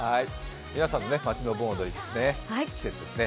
皆さんも町の盆踊りの季節ですね。